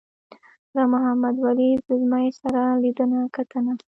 له محمد ولي ځلمي سره لیدنه کتنه.